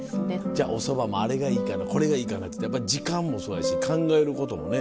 じゃおそばもあれがいいかなこれがいいかなって時間もそうやし考えることもね。